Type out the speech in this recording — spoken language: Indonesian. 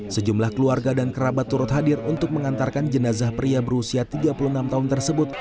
sejumlah keluarga dan kerabat turut hadir untuk mengantarkan jenazah pria berusia tiga puluh enam tahun tersebut